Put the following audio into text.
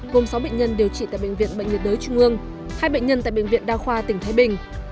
gồm sáu bệnh nhân điều trị tại bệnh viện bệnh nhiệt đới trung ương hai bệnh nhân tại bệnh viện đa khoa tỉnh thái bình